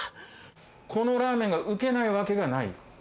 このラーメンがうけない訳がない。